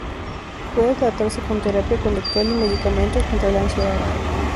Puede tratarse con terapia conductual y medicamentos contra la ansiedad.